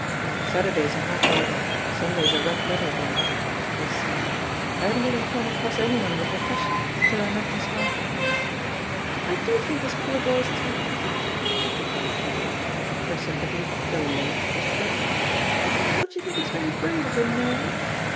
"Saturday's a half holiday; Sunday's a red letter day — ^this Simday. I haven't even come across anyone in the profession till I met Miss (Harper." "I do think this poor boy's to be pitied," de clared Peggy. Her sympathy, though late, was pleasant. "Don't you think it's very brave of him, Naomi